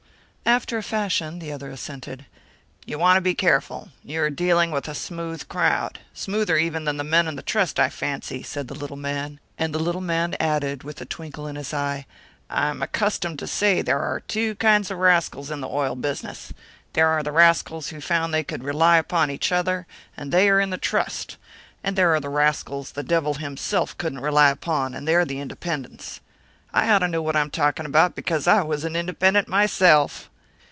"After a fashion," the other assented. "You want to be careful you are dealing with a smooth crowd! Smoother even than the men in the Trust, I fancy." And the little man added, with a twinkle in his eye: "I'm accustomed to say there are two kinds of rascals in the oil business; there are the rascals who found they could rely upon each other, and they are in the Trust; and there are the rascals the devil himself couldn't rely upon, and they're the independents. I ought to know what I'm talking about, because I was an independent myself."